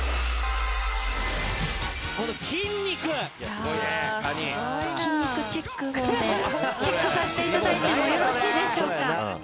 筋肉チェック棒でチェックさせて頂いてもよろしいでしょうか。